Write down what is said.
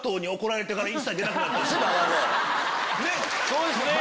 そうですね。